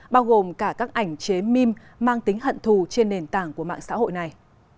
bao gồm cả các ảnh chế mem mang tính hận thù trên nền tảng của mạng xã hội này